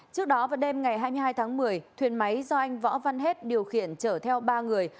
trước đó vào đêm ngày hai mươi hai tháng một mươi thuyền máy do anh võ văn hết điều khiển chở theo ba người